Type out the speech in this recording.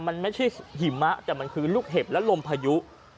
มันไม่ใช่หิมะแต่มันคือลูกเห็บและลมพายุ